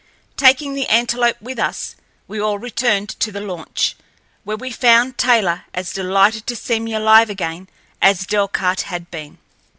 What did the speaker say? Taking the antelope with us, we all returned to the launch, where we found Taylor as delighted to see me alive again as Delcarte had been.